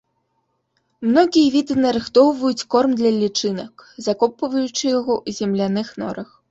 Многія віды нарыхтоўваюць корм для лічынак, закопваючы яго ў земляных норах.